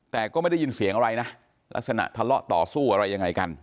แต่ก็ไม่ได้ยินเสียงอะไรนะลักษณะทะเลาะต่อสู้อะไรยังไงกัน